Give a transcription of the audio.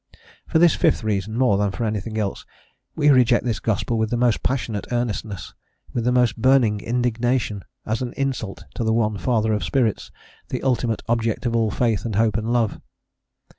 * Voysey. For this fifth reason, more than for anything else, we reject this gospel with the most passionate earnestness, with the most burning indignation, as an insult to the One Father of spirits, the ultimate Object of all faith and hope and love.